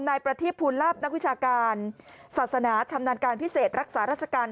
นายประทีพูลับนักวิชาการศาสนาชำนาญการพิเศษรักษาราชการ